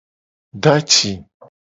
Do cici :